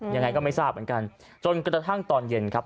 ยังไงก็ไม่ทราบเหมือนกันจนกระทั่งตอนเย็นครับ